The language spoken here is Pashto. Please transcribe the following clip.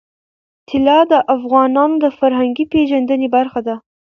طلا د افغانانو د فرهنګي پیژندنې برخه ده.